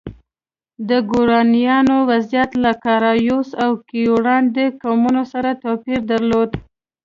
د ګورانیانو وضعیت له کارایوس او کیورانډي قومونو سره توپیر درلود.